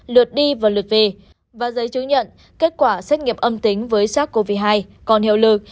lượt đi và lượt về và giấy chứng nhận kết quả xét nghiệm âm tính với sars cov hai còn hiệu lực